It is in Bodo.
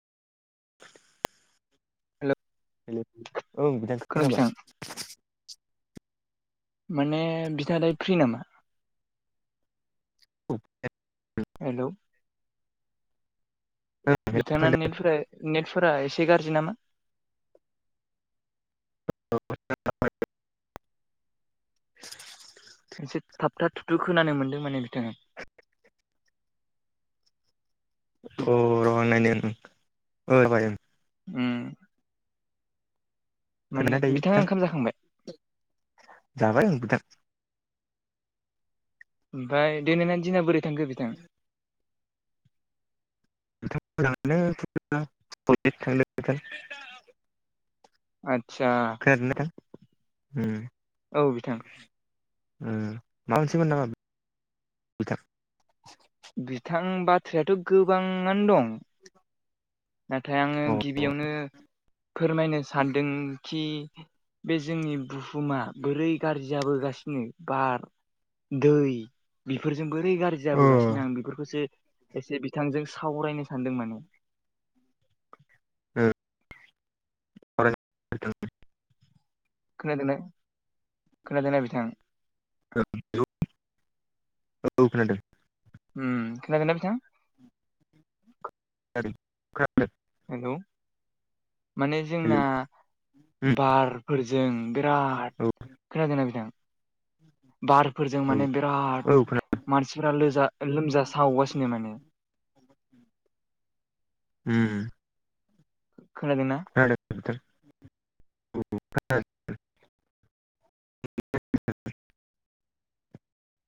हेलौ [unintelligible] ओं बिथांखौ खोनादों बिथां खोनाबाय। माने बिथालाय फ्रि नामा? अ हेल' बिथा नेटफोरा नेटफोरा एसे गाज्रि बि नामा? एसे थाबथा थुुबथु खोनानो मोनदों माने बिथाङा। अ र नायनो ओ बायं [unintelligible] माने खोनादोंना दायो बिथाङा बिथां ओंखाम जाखांबाय? जाबाय [unintelligible] ओमफ्राय दोनैनानै दिना बोरै थांखो बिथां? [unintelligible] आत खोनादो औ बिथां मासेबो नाम? बिथां बाथ्रायाथ' गोबाङानो दं। नाथाय आङो अ ओ गिबियावनो फोरमायनो सानदों खि बे जोंनि बुहुमा बोरै गाज्रि जाबोगासिनो बार दै बेफोरजों बोरै गाज्रि ओ जाबोगासिनो आं बेफोरखौसो। एसे बिथांजों सावरायनो सानदों माने। ह राय खोनादोंनो खोनादोंनाय बिथां? औ औ खोनादों। [unintelligible] बेैथां। [unintelligible] हेल माने जोंना हेलौ उम बारफोरजों बिराद औ खोनादोंना बिथां? बारफोरजों माने बिराद औ औ मानसि फुराज लोमजा सावगासिनो माने खोनादों उम खोनादोंना? [inaudible] [inaudible]